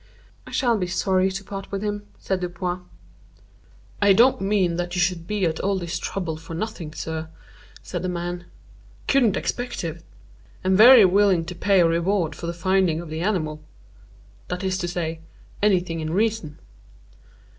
"I shall be sorry to part with him," said Dupin. "I don't mean that you should be at all this trouble for nothing, sir," said the man. "Couldn't expect it. Am very willing to pay a reward for the finding of the animal—that is to say, any thing in reason."